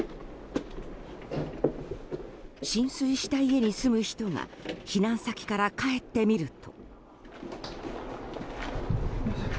浸水した家に住む人が避難先から帰ってみると。